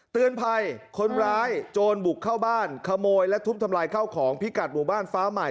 เตือนภัยคนร้ายโจรบุกเข้าบ้านขโมยและทุบทำลายข้าวของพิกัดหมู่บ้านฟ้าใหม่